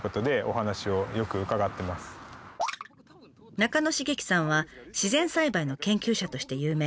中野茂樹さんは自然栽培の研究者として有名。